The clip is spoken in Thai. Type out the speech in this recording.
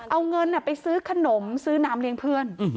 เอาเงินไปซื้อขนมซื้อน้ำเลี้ยงเพื่อน